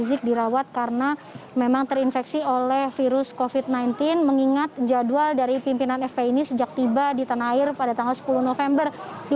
rizik dirawat karena memang terinfeksi oleh virus covid sembilan belas mengingat jadwal dari pimpinan fpi ini sejak tiba di tanah air pada tanggal sepuluh november dua ribu dua puluh